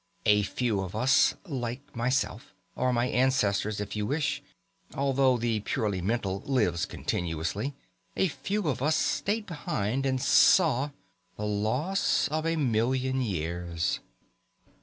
A few of us, like myself, or my ancestors if you wish, although the purely mental lives continuously a few of us stayed behind and saw the loss of a million years!"